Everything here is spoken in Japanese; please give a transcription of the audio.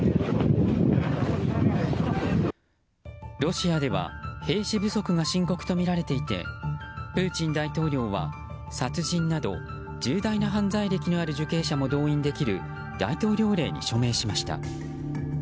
ロシアでは兵士不足が深刻とみられていてプーチン大統領は殺人など重大な犯罪歴のある受刑者も動員できる大統領令に署名しました。